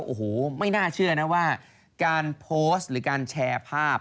โอ้โหไม่น่าเชื่อนะว่าการโพสต์หรือการแชร์ภาพ